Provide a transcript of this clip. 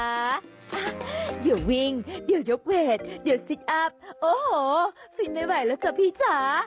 อ่ะเดี๋ยววิ่งเดี๋ยวยกเวทเดี๋ยวสิทธิ์อัพโอ้โหฟินได้ไหวแล้วจ๊ะพี่จ๊ะ